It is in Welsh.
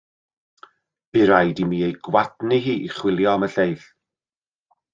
Bu raid i mi ei gwadnu hi i chwilio am y lleill.